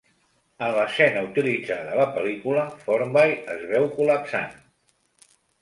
En l'escena utilitzada a la pel·lícula, Formby es veu col·lapsant.